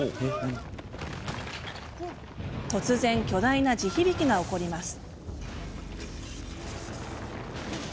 突然、巨大な地響きが起こります。